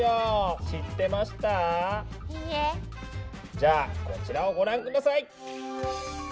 じゃあこちらをご覧ください！